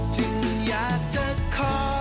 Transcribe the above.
จึงอยากจะขอ